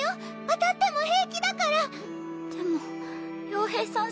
当たっても平気だからでも傭兵さん